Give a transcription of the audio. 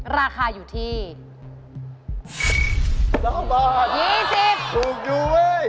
ถูกดูเว้ย